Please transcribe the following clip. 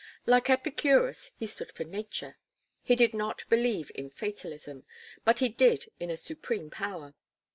Like Epicurus he stood for nature. He did not believe in fatalism, but he did in a supreme power.